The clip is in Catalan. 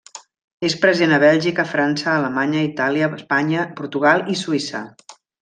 És present a Bèlgica, França, Alemanya, Itàlia, Espanya, Portugal i Suïssa.